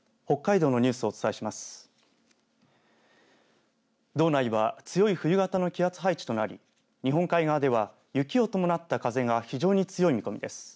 道内は強い冬型の気圧配置となり日本海側では雪を伴った風が非常に強い見込みです。